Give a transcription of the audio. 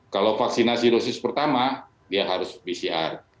kalau vaksinasi dosis pertama dia harus pcr